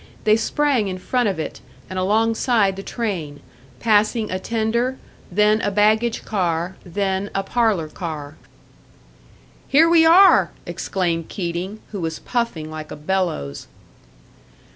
They sprang in front of it, and alongside the train, passing a tender, then a baggage car, then a parlour car. "Here we are!" exclaimed Keating, who was puffing like a bellows.